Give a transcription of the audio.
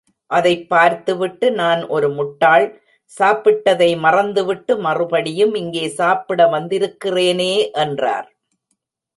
அதைப் பார்த்துவிட்டு, நான் ஒரு முட்டாள், சாப்பிட்டதை மறந்துவிட்டு, மறுபடியும் இங்கே சாப்பிட வந்திருக்கிறேனே என்றார்.